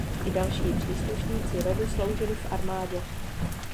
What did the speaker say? I další příslušníci rodu sloužili v armádě.